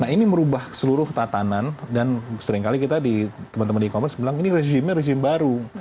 ini merubah seluruh tatanan dan seringkali kita di teman teman e commerce bilang ini rejimnya rejim baru